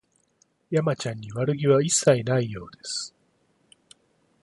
山ちゃんに悪気は一切ないようです